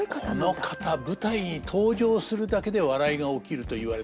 この方舞台に登場するだけで笑いが起きると言われた。